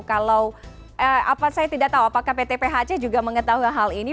kalau saya tidak tahu apakah pt phc juga mengetahui hal ini